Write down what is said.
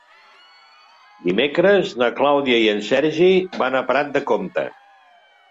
Dimecres na Clàudia i en Sergi van a Prat de Comte.